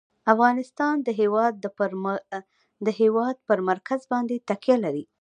افغانستان د هېواد پر مرکز باندې تکیه لري.